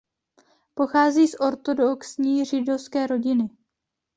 Pochází z ortodoxní židovské rodiny.